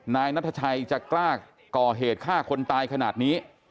นายนัทชัยจะกล้าก่อเหตุฆ่าคนตายขนาดนี้